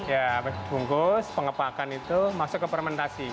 ya habis dibungkus pengepakan itu masuk ke fermentasi